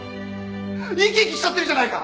生き生きしちゃってるじゃないか！